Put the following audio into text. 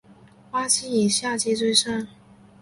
花期以夏季最盛。